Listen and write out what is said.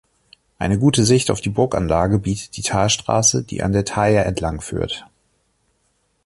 Eine gute Sicht auf die Burganlage bietet die Talstraße, die an der Thaya entlangführt.